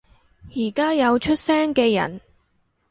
而家有出聲嘅人